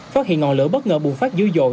phát hiện ngọn lửa bất ngờ bùng phát dữ dội